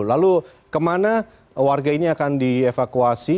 lalu kemana warga ini akan dievakuasi